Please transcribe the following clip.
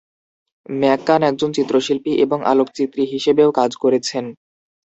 McCann একজন চিত্রশিল্পী এবং আলোকচিত্রী হিসেবেও কাজ করেছেন।